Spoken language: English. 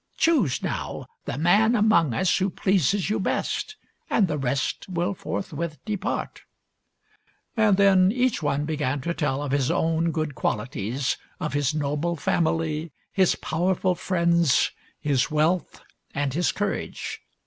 Choose, now, the man among us who pleases you best, and the rest will forthwith depart." And then each one began to tell of his own good qualities, of his noble family, his powerful friends, his wealth, and his courage.